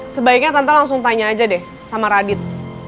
sebaiknya tante langsung tanya aja deh sama radit